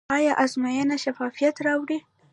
آیا ازموینه شفافیت راوړي؟